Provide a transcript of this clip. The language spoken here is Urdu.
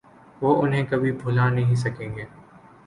وہ انہیں کبھی بھلا نہیں سکیں گے۔